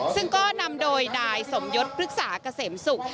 ซึ่งก็นำโดยนายสมยศพฤกษาเกษมศุกร์